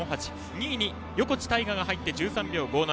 ２位に横地大雅が入って１３秒５７。